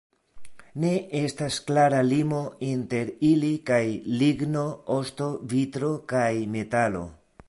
Ne estas klara limo inter ili kaj ligno, osto, vitro kaj metalo.